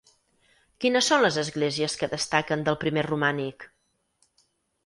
Quines són les esglésies que destaquen del primer romànic?